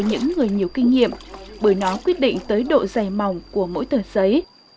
những người nhiều kinh nghiệm bởi nó quyết định tới độ dày mỏng của mỗi tờ giấy